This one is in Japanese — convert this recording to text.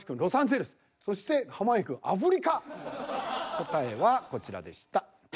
答えはこちらでした。